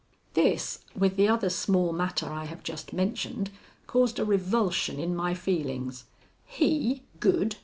This, with the other small matter I have just mentioned, caused a revulsion in my feelings. He good?